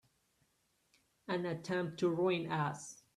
An attempt to ruin us!